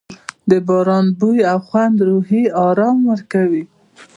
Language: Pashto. د باران بوی او خوند روحي آرام ورکوي.